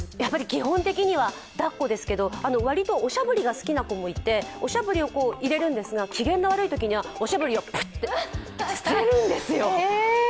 基本的にはだっこですけど割とおしゃぶりが好きな子もいて、おしゃぶりを入れるんですが、機嫌が悪いときには、おしゃぶりをぷって捨てるんですよ。